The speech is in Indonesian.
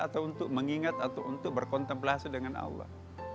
atau untuk mengingat atau untuk berkontemplasi dengan allah